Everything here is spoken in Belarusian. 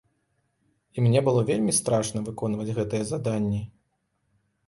І мне было вельмі страшна выконваць гэтыя заданні.